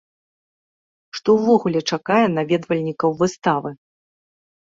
Што ўвогуле чакае наведвальнікаў выставы?